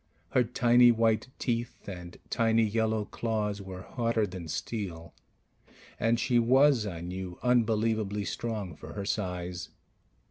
Her tiny white teeth and tiny yellow claws were harder than steel; and she was, I knew, unbelievably strong for her size.